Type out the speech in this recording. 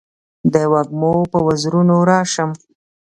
د وږمو په وزرونو راشم